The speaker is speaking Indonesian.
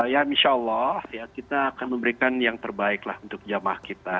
ya insya allah ya kita akan memberikan yang terbaik lah untuk jamaah kita